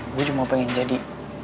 gue cuma pengen jadi